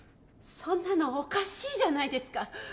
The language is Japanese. そんなのおかしいじゃないですか！